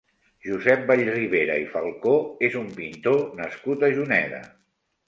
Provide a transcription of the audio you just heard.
Josep Vallribera i Falcó és un pintor nascut a Juneda.